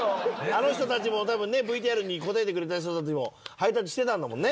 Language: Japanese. あの人たちも多分ねＶＴＲに答えてくれた人たちもハイタッチしてたんだもんね。